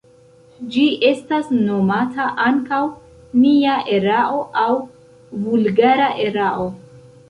Ĝi estas nomata ankaŭ “nia erao” aŭ "vulgara erao”.